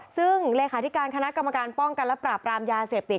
ซึ่งเลขาธิการคณะกรรมการป้องกันและปราบรามยาเสพติด